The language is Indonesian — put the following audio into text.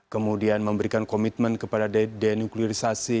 kemudian memberikan komitmen kepada denuklirisasi